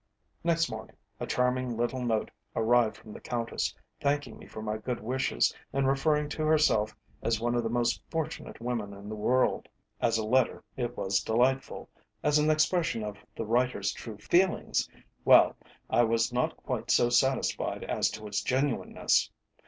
Next morning a charming little note arrived from the Countess, thanking me for my good wishes, and referring to herself as one of the most fortunate women in the world. As a letter it was delightful; as an expression of the writer's true feelings, well I was not quite so satisfied as to its genuineness.